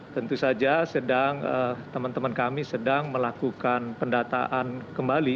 tentu saja teman teman kami sedang melakukan pendataan kembali